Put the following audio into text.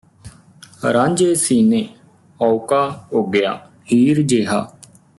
ਰਾਂਝੇ ਸੀਨੇ ਹਾਉਕਾ ਉੱਗਿਆ ਹੀਰ ਜੇਹਾ